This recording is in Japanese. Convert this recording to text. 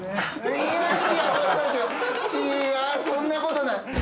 そんなことない。